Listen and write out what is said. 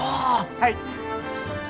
はい。